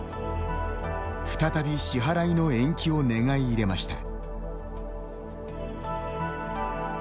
再び支払いの延期を願い入れました。